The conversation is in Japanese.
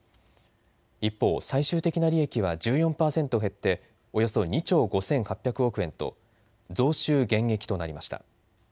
一方、最終的な利益は１４％減っておよそ２兆５８００億円と増収減益となりました。